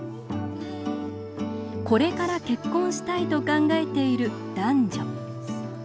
これから結婚したいと考えている男女。